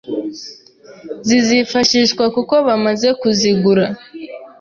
zizifashishwa kuko bamaze kuzigura